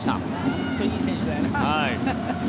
本当にいい選手だよな。